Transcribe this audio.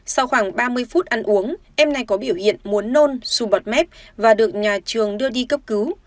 sau khoảng ba mươi phút ăn uống em này có biểu hiện muốn nôn su bọt mép và được nhà trường đưa đi cấp cứu